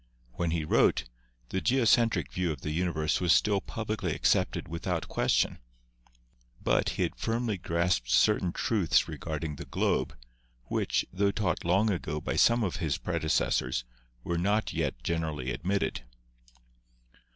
When he wrote, the geocentric view of the universe was still publicly ac cepted without question. But he had firmly grasped cer tain truths regarding the globe, which, tho taught long before by some of his predecessors, were not yet generally admitted.